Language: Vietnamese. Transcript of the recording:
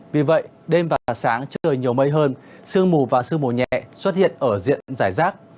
vì vậy đêm và sáng trời nhiều mây hơn sương mù và sương mù nhẹ xuất hiện ở diện giải rác